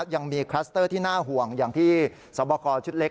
ยังมีคลัสเตอร์ที่น่าห่วงอย่างที่สวบคอชุดเล็ก